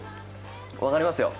分かりますよ。